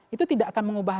itu tidak akan mengubahnya